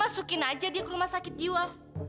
masukin aja dia ke rumah sakit jiwa